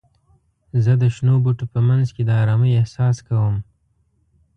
زه د شنو بوټو په منځ کې د آرامۍ احساس کوم.